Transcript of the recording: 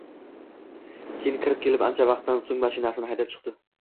Keyin kirib ketib, ancha vaqtdan so‘ng mashinasini haydab chiqdi